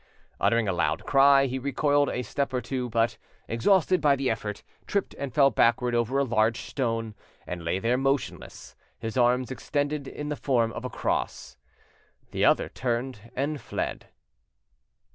Uttering a loud cry, he recoiled a step or two, but, exhausted by the effort, tripped and fell backward over a large stone, and lay there motionless, his arms extended in the form of a cross. The other turned and fled.